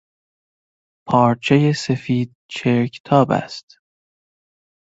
پارچهی سفید چرکتاب است.